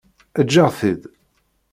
Eǧǧ-aɣ-t-id.